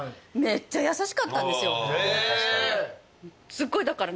すごいだから。